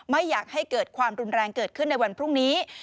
ไม่อยากให้เกิดความรุนแรงเกิดขึ้นในวันพรุ่งนี้